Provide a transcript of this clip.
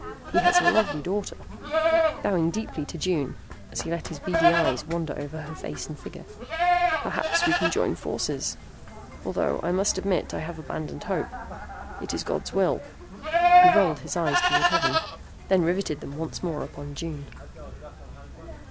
He has a lovely daughter" bowing deeply to June as he let his beady eyes wander over her face and figure. "Perhaps we can join forces, although I must admit I have abandoned hope. It is God's will." He rolled his eyes toward heaven, then riveted them once more upon June.